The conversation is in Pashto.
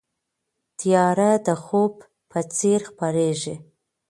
تیاره د خوب په څېر خپرېږي.